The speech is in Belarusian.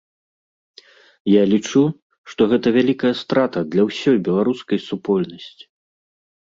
Я лічу, што гэта вялікая страта для ўсёй беларускай супольнасці.